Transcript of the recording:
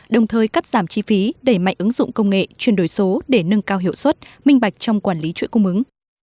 đồng thời cắt giảm chi phí đẩy mạnh ứng dụng công nghệ chuyên đổi số để nâng cao hiệu suất minh bạch trong quản lý chuỗi cung ứng